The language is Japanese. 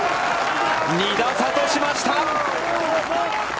２打差としました。